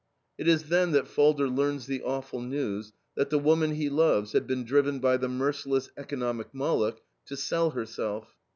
It is then that Falder learns the awful news that the woman he loves had been driven by the merciless economic Moloch to sell herself.